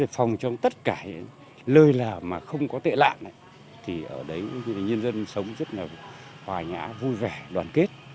phòng trong tất cả lơi là mà không có tệ lạ thì ở đấy nhân dân sống rất là hoài nhã vui vẻ đoàn kết